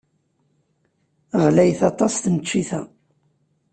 Ɣlayet aṭas tneččit-a.